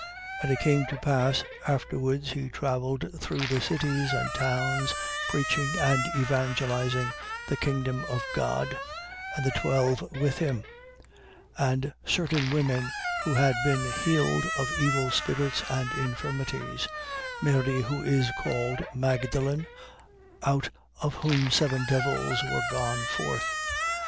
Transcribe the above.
And it came to pass afterwards he travelled through the cities and towns, preaching and evangelizing the kingdom of God: and the twelve with him: 8:2. And certain women who had been healed of evil spirits and infirmities: Mary who is called Magdalen, out of whom seven devils were gone forth, 8:3.